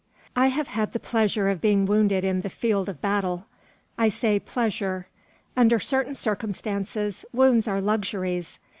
I have had the pleasure of being wounded in the field of battle. I say pleasure. Under certain circumstances, wounds are luxuries.